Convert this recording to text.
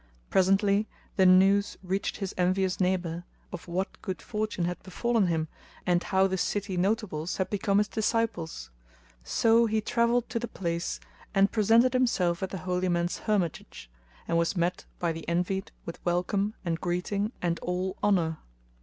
Presently the news reached his envious neighbour, of what good fortune had befallen him and how the city notables had become his disciples; so he travelled to the place and presented himself at the holy man's hermitage, and was met by the Envied with welcome and greeting and all honour.